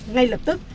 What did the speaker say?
ngay lập tức